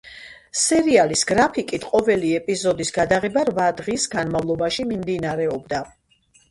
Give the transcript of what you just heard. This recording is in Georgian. სერიალის გრაფიკით, ყოველი ეპიზოდის გადაღება რვა დღის განმავლობაში მიმდინარეობდა.